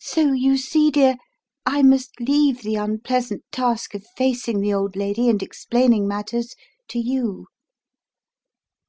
So you see, dear, I must leave the unpleasant task of facing the old lady and explaining matters to you."